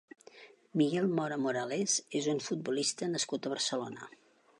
Miguel Mora Morales és un futbolista nascut a Barcelona.